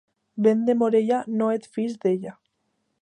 Vent de Morella, no et fiïs d'ella.